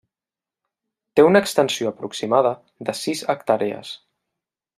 Té una extensió aproximada de sis hectàrees.